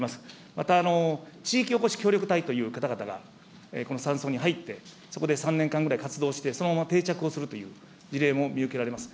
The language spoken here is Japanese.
また、地域おこし協力隊という方々がこの山村に入って、そこで３年間ぐらい活動して、そのまま定着をするという事例も見受けられます。